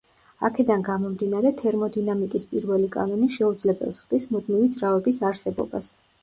აქედან გამომდინარე თერმოდინამიკის პირველი კანონი შეუძლებელს ხდის მუდმივი ძრავების არსებობას.